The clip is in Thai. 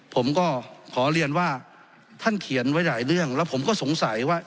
ผมก็ขอเรียนว่าท่านเขียนไว้หลายเรื่องแล้วผมก็สงสัยว่า